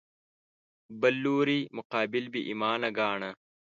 بل لوري مقابل بې ایمانه ګاڼه